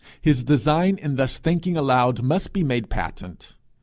His design in thus thanking aloud must be made patent!